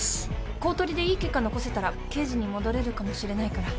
公取でいい結果残せたら刑事に戻れるかもしれないから。